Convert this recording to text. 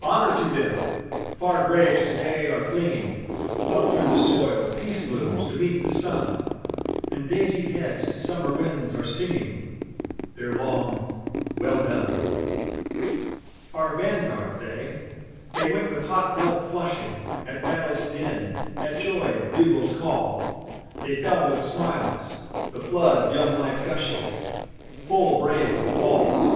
Honor to them! Far graves to day are flinging Up through the soil peace blooms to meet the sun, And daisied heads to summer winds are singing Their long "well done." Our vanguard, they. They went with hot blood flushing At battle's din, at joy of bugle's call. They fell with smiles, the flood of young life gushing, Full brave the fall!